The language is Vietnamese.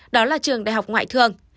đó là trường đại học ngoại thương